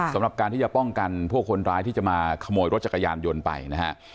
สำหรับการที่จะป้องกันพวกคนร้ายที่จะมาขโมยรถจักรยานยนต์ไปนะฮะ